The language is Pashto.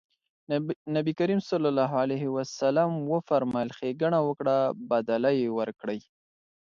نبي کريم ص وفرمایل ښېګڼه وکړه بدله يې ورکړئ.